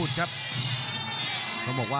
คมทุกลูกจริงครับโอ้โห